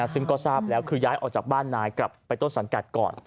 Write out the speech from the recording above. ซึ่งก็ทราบแล้วคือย้ายออกจากบ้านนายกลับไปต้นสังกัดก่อน